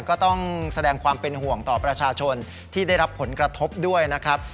ก็ต้องแสดงความเป็นห่วงต่อประชาชนที่ได้รับผลกระทบด้วยนะครับ